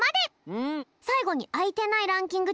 さいごにあいてないランキング